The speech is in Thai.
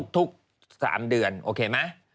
ทุก๓เดือนโอเคไหม